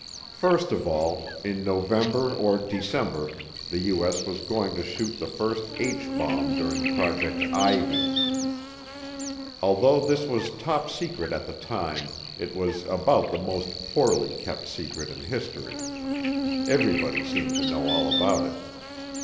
First of all, in November or December the U.S. was going to shoot the first H bomb during Project Ivy. Although this was Top Secret at the time, it was about the most poorly kept secret in history everybody seemed to know all about it.